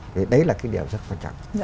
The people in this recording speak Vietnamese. thì đấy là cái điều rất quan trọng